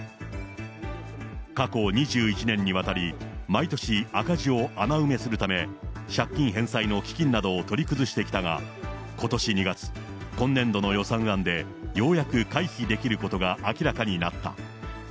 過去２１年にわたり、毎年赤字を穴埋めするため、借金返済の基金などを取り崩してきたが、ことし２月、今年度の予算案でようやく回避できることが明らかになった。